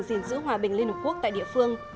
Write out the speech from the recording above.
gìn giữ hòa bình liên hợp quốc tại địa phương